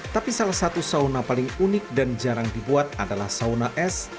tapi salah satu sauna paling unik dan jarang dibuat adalah sauna s